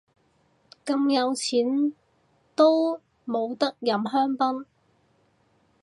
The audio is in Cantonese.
咁有錢都冇得飲香檳